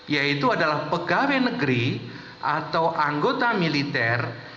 yaitu adalah pegawai negeri atau anggota militer